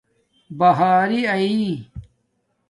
بہاری اݺی